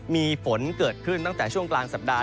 มีฝนเกิดขึ้นตั้งแต่ช่วงกลางสัปดาห